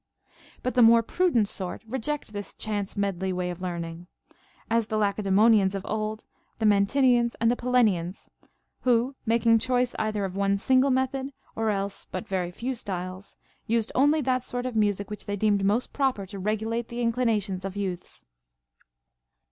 But the more prudent sort reject this chance medley way of learning, as the Lacedaemonians of old, the Man tineans, and Pallenians, who, making choice either of one single method or else but very few styles, used only that sort of music which they deemed most proper to regu late the inclinations of youths.